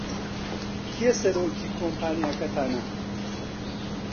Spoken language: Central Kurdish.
کێ سەرۆکی کۆمپانیاکەتانە؟